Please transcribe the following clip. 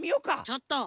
ちょっと！